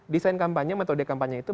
desain kampanye metode kampanye itu